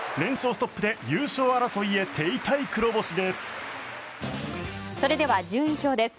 ストップで優勝争いへ手痛い黒星です。